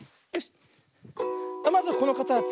まずこのかたち。